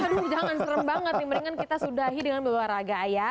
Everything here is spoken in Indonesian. aduh jangan serem banget mendingan kita sudahi dengan olahraga ya